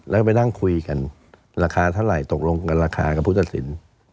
แล้วก็ไปนั่งคุยกันราคาเท่าไหร่ตกลงกันราคากับผู้ตัดสิน